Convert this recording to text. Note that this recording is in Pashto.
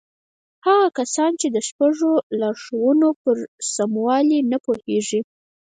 هغه کسان چې د شپږو لارښوونو پر سموالي نه پوهېږي.